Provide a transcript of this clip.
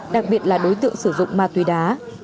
đặc biệt là đối tượng sử dụng ma túy đá